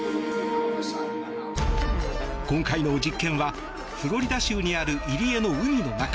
今回の実験は、フロリダ州にある入り江の海の中。